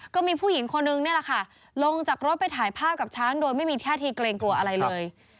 ก็มีผู้หญิงคนนึงนี่แหละค่ะลงจากรถไปถ่ายภาพกับช้างโดยไม่มีท่าทีเกรงกลัวอะไรเลย